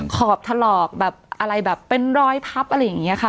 ขอบถลอกแบบอะไรแบบเป็นรอยพับอะไรอย่างนี้ค่ะ